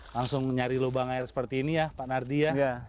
langsung nyari lubang air seperti ini ya pak nardi ya